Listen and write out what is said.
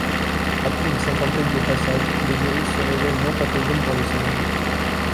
Après une cinquantaine de passages, le virus se révèle non pathogène pour le singe.